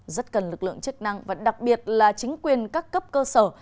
rất cần lực lượng chức năng và đặc biệt là chính quyền các cấp cơ sở